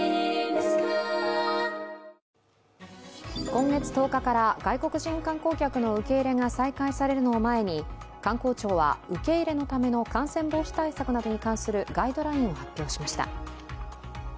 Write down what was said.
今月１０日から外国人観光客の受け入れが再開されるのを前に観光庁は受入れのための感染防止対策などに関するガイドラインを発表しました。